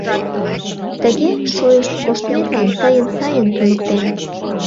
Тыге шойышт коштметлан тыйым сайын туныктем!